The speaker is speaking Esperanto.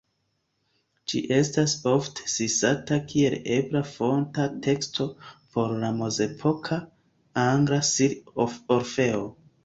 Ĝi estas ofte citata kiel ebla fonta teksto por la mezepoka angla Sir Orfeo.